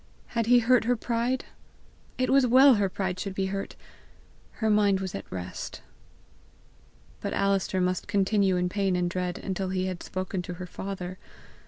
Had he hurt her pride? It was well her pride should be hurt! Her mind was at rest. But Alister must continue in pain and dread until he had spoken to her father.